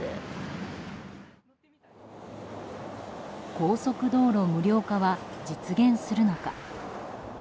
高速道路無料化は実現するのか。